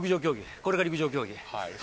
これが陸上競技。